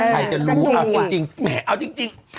ใครจะรู้แม้เอาจริง